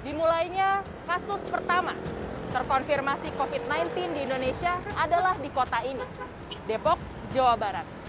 dimulainya kasus pertama terkonfirmasi covid sembilan belas di indonesia adalah di kota ini depok jawa barat